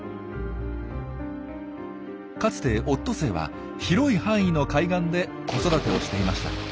かつてオットセイは広い範囲の海岸で子育てをしていました。